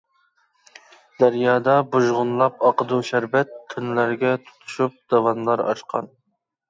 دەريادا بۇژغۇنلاپ ئاقىدۇ شەربەت، تۈنلەرگە تۇتۇشۇپ، داۋانلار ئاشقان.